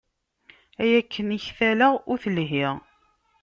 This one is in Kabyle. Ay akken i ktaleɣ ur telhi.